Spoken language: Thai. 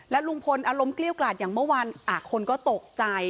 ลุงพลอารมณ์เกลี้ยวกลาดอย่างเมื่อวานคนก็ตกใจ